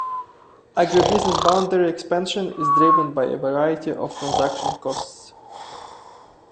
Agribusiness boundary expansion is driven by a variety of transaction costs.